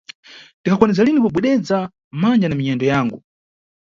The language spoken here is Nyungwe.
Ndindikwanisa lini kugwededza manja na minyendo yangu.